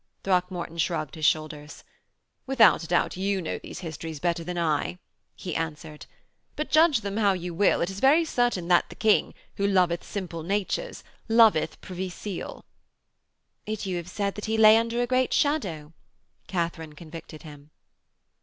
Throckmorton shrugged his shoulders. 'Without doubt you know these histories better than I,' he answered. 'But judge them how you will, it is very certain that the King, who loveth simple natures, loveth Privy Seal.' 'Yet you have said that he lay under a great shadow,' Katharine convicted him.